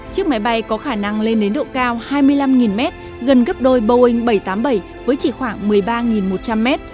chiếc máy bay có khả năng lên đến độ cao hai mươi năm m gần gấp đôi boeing bảy trăm tám mươi bảy với chỉ khoảng một mươi ba một trăm linh m